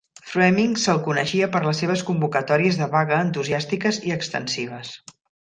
Froemming se'l coneixia per les seves convocatòries de vaga entusiàstiques i extensives.